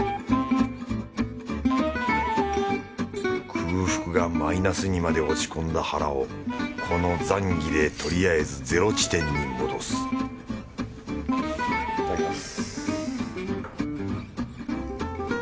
空腹がマイナスにまで落ち込んだ腹をこのザンギでとりあえずゼロ地点に戻すいただきます。